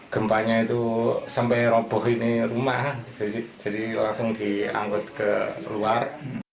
gempanya itu sampai roboh ini rumah jadi langsung diangkut ke luar